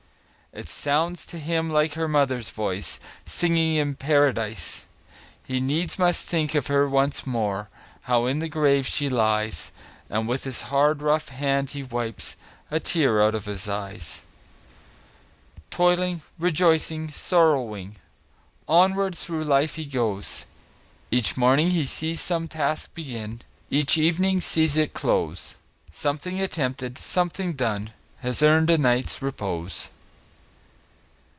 It sounds to him like her mother's voice, Singing in Paradise! He needs must think of her once more, How in the grave she lies; And with his hard, rough hand he wipes A tear out of his eyes. Toiling, rejoicing, sorrowing, Onward through life he goes; Each morning sees some task begin, Each evening sees it close Something attempted, something done, Has earned a night's repose.